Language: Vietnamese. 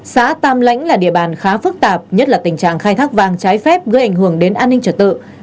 xã tam lãnh là địa bàn khá phức tạp nhất là tình trạng khai thác vàng trái phép gây ảnh hưởng đến an ninh trật tự